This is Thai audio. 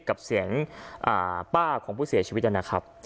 กับเสียงป้าของผู้เสียชีวิตนะครับ